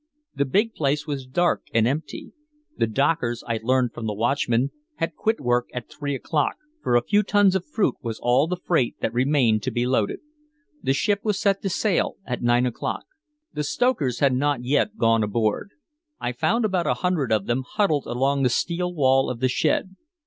The big place was dark and empty. The dockers, I learned from the watchman, had quit work at three o'clock, for a few tons of fruit was all the freight that remained to be loaded. The ship was to sail at nine o'clock. The stokers had not yet gone aboard. I found about a hundred of them huddled along the steel wall of the shed.